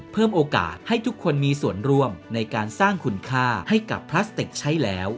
เพิ่มโอกาสให้ทุกคนมีส่วนร่วมในการสร้างคุณค่าให้กับพลาสติกใช้แล้ว